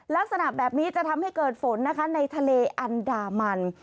ลักษณะแบบนี้จะทำให้เกิดฝนนะคะในทะเลอันดามัน